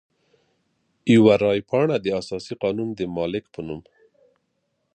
یوه رای پاڼه د اساسي قانون د مالک په نوم.